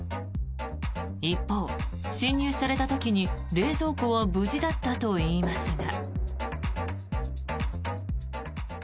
一方、侵入された時に冷蔵庫は無事だったといいますが。